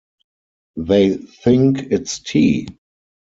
They think it's tea!